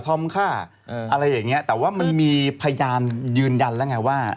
ฆ่าอะไรอย่างเงี้ยแต่ว่ามันมีพยานยืนยันแล้วไงว่า